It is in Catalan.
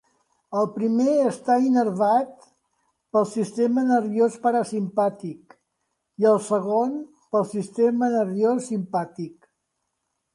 El primer està innervat pel sistema nerviós parasimpàtic i el segon pel sistema nerviós simpàtic.